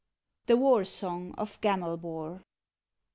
THE WAR SONG OF GAMELBAR.